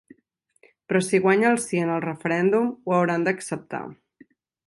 Però si guanya el sí en el referèndum, ho hauran d’acceptar.